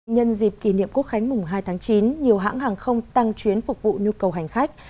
nhân dịp kỷ niệm quốc khánh mùng hai tháng chín nhiều hãng hàng không tăng chuyến phục vụ nhu cầu hành khách